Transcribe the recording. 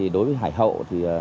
đối với hải hậu